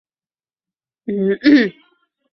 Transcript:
是该国九个总教区之一。